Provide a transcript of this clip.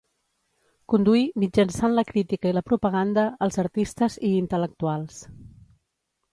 Conduir, mitjançant la crítica i la propaganda, els artistes i intel·lectuals.